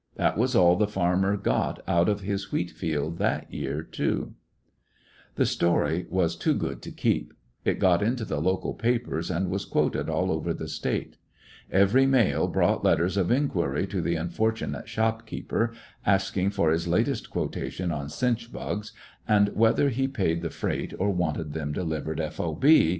That was all the farmer got out of his wheat field that year, too. Quotations on The story was too good to keep. It got '^"^"^ into the local papers, and was quoted all over the State. Every mail brought letters of in quiry to the unfortunate shopkeeper, asking for his latest quotation on chinch bugs, and whether he paid the freight or wanted them delivered F. O. B.